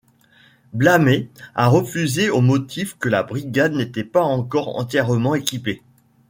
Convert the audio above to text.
Blamey a refusé au motif que la brigade n'était pas encore entièrement équipée.